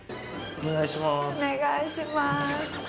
お願いします。